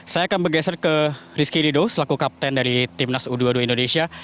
saya akan bergeser ke rizky rido selaku kapten dari timnas u dua puluh dua indonesia